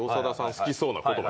好きそうな言葉。